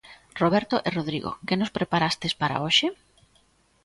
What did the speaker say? Roberto e Rodrigo que nos preparastes para hoxe?